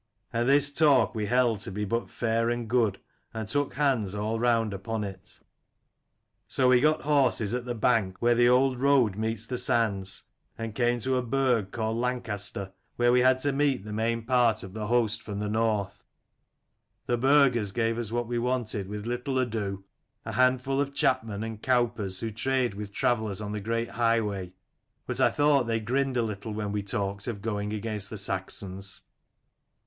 And this talk we held to be but fair and good, and took hands all round upon it. "So we got horses at the bank where the old 21 road meets the sands, and came to a burg called Lancaster where we had to meet the main part of the host from the north. The burgers gave us what we wanted with little ado : a handful of chapmen and cowpers who trade with travellers on the great highway. But I thought they grinned a little when we talked of going against the Saxons.